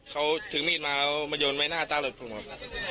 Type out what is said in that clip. เขาถึงมีดมาแล้วมายนต์ไว้หน้าตากรถผลบอก